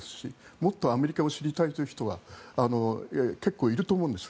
もっとアメリカを知りたいという人は結構いると思うんです。